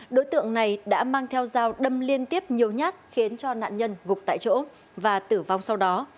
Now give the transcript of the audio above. đối tượng này đã mang theo dao đâm liên tiếp nhiều nhát khiến cho nạn nhân gục tại chỗ và tử vong sau đó